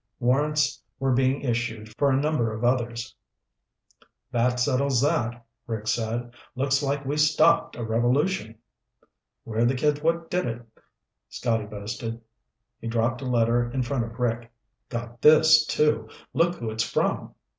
Warrants were being issued for a number of others. "That settles that," Rick said. "Looks like we stopped a revolution!" "We're the kids what did it," Scotty boasted. He dropped a letter in front of Rick. "Got this, too. Look who it's from."